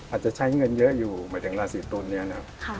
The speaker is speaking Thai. อาจจะใช้เงินเยอะอยู่หมายถึงราศีตุลเนี่ยนะครับ